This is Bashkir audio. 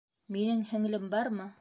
Минең һеңлем бармы?!